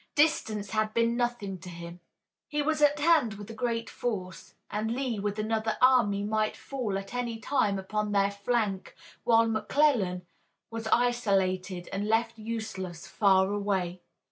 Distance had been nothing to him. He was at hand with a great force, and Lee with another army might fall at any time upon their flank, while McClellan was isolated and left useless, far away.